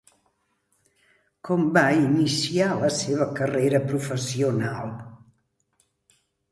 Com va iniciar la seva carrera professional?